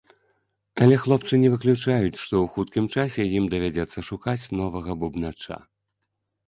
Але хлопцы не выключаюць, што ў хуткім часе ім давядзецца шукаць новага бубнача.